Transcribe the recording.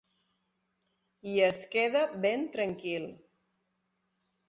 I es queda ben tranquil.